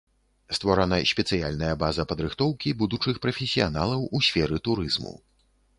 Створана спецыяльная база падрыхтоўкі будучых прафесіяналаў у сферы турызму.